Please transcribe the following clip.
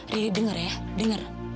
ri ri denger ya denger